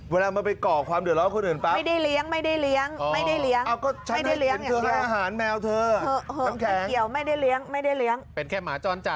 เวลามาไปกรอกความเดือดร้อยของคนอื่นปะ